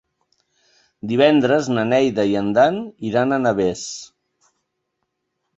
Divendres na Neida i en Dan iran a Navès.